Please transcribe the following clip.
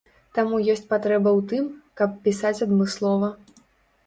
Таму ёсць патрэба ў тым, каб пісаць адмыслова.